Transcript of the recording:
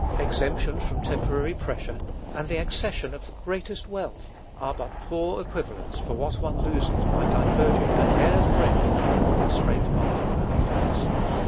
Exemption from temporary pressure, and the accession of the greatest wealth are but poor equivalents for what one loses by diverging a hair's breadth from the straight path of obedience.